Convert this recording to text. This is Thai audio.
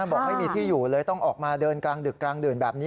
บอกไม่มีที่อยู่เลยต้องออกมาเดินกลางดึกกลางดื่นแบบนี้